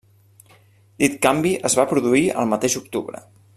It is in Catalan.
Dit canvi es va produir al mateix octubre.